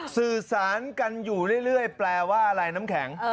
สื่อสารกันอยู่เรื่อยแปลว่าอะไรน้ำแข็ง